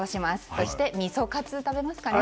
そして味噌カツ、食べますかね。